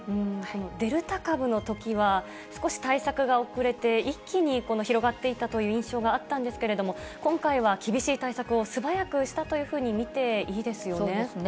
デルタ株のときは、少し対策が遅れて、一気に広がっていったという印象があったんですけれども、今回は厳しい対策を、素早くしたというふうに見ていいですよね。